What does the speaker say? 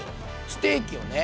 ステーキをね